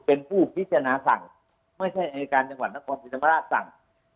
เป็นผู้พิจารณาสั่งไม่ใช่อายการจังหวัดนครศรีธรรมราชสั่ง